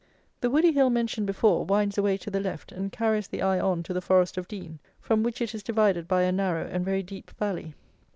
The woody hill mentioned before, winds away to the left, and carries the eye on to the Forest of Dean, from which it is divided by a narrow and very deep valley.